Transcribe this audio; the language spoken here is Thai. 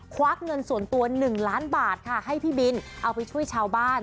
วักเงินส่วนตัว๑ล้านบาทค่ะให้พี่บินเอาไปช่วยชาวบ้าน